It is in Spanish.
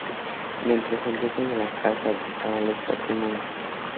Mientras el dueño de la casa buscaba a los padrinos.